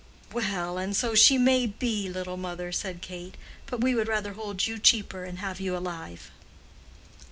"Well, and so she may be, little mother," said Kate; "but we would rather hold you cheaper, and have you alive."